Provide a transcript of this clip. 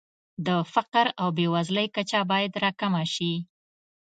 د فقر او بېوزلۍ کچه باید راکمه شي.